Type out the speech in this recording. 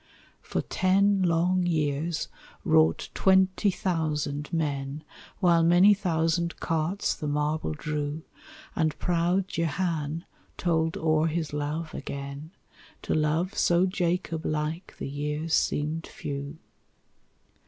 For ten long years wrought twenty thousand men, While many thousand carts the marble drew; And proud Jehan told o'er his love again; To love so Jacob like the years seemed few.